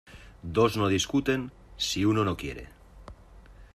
Dos no discuten si uno no quiere.